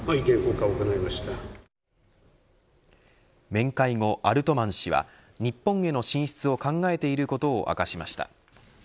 面会後、アルトマン氏は日本への進出を考えていることを明かしました。